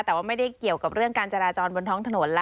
แต่ว่าไม่ได้เกี่ยวกับเรื่องการจราจรบนท้องถนนแล้ว